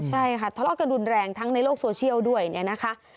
ใช่ค่ะทะเลาะกันรุนแรงทั้งในโลกโซเชียลด้วยเนี่ยนะคะ